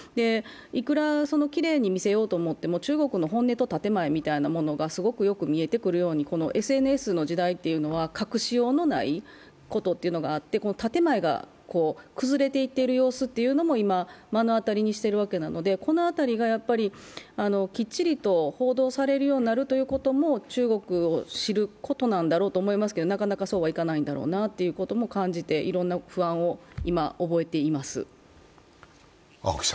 いくらきれいに見せようと思っても中国の本音と建て前というものがすごくよく見えてくるように、ＳＮＳの時代というのは隠しようのないことがあって、建前が崩れていっている様子も今、目の当たりにしているわけなので、この辺りがきっちり報道されるようになるということも中国を知ることなんだろうと思いますけれどもなかなかそうはいかないんだろうなというのも感じて、いろんな不安を今、覚えています。